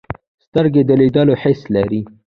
سترګې د لیدلو حس لري